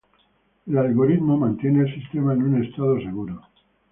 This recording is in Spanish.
El algoritmo mantiene al sistema en un estado seguro.